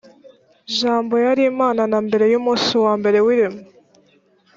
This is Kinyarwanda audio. jambo yari imana na mbere y’umunsi wa mbere w’irema